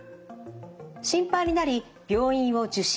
心配になり病院を受診。